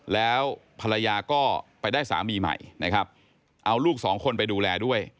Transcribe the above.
แล้วภรรยาก็ไปได้สามีใหม่นะครับเอาลูกสองคนไปดูแลด้วย